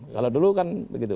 kalau dulu kan begitu